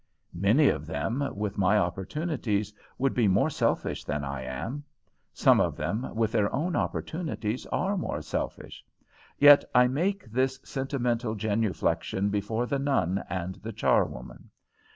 Many of them, with my opportunities, would be more selfish than I am. Some of them, with their own opportunities, are more selfish. Yet I make this sentimental genuflection before the nun and the charwoman.